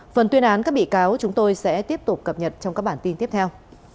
phần tuyên án các bị cáo chúng tôi sẽ tiếp tục cập nhật trong các bản tin tiếp theo